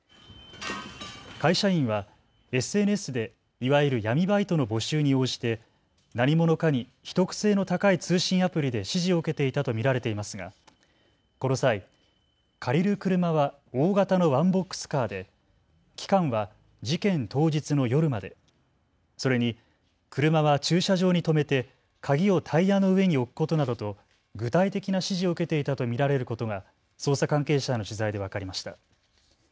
会社員はＳＮＳでいわゆる闇バイトの募集に応じて何者かに秘匿性の高い通信アプリで指示を受けていたと見られていますがこの際、借りる車は大型のワンボックスカーで期間は事件当日の夜まで、それに車は駐車場に止めて鍵をタイヤの上に置くことなどと具体的な指示を受けていたと見られることが捜査関係者への取材で分かりました。